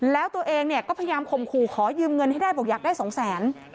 แล้วตัวเองเนี่ยก็พยายามข่มขู่ขอยืมเงินให้ได้บอกอยากได้สองแสน